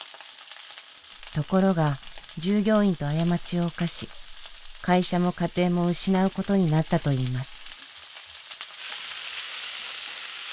ところが従業員と過ちを犯し会社も家庭も失うことになったといいます。